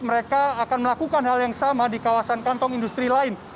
mereka akan melakukan hal yang sama di kawasan kantong industri lain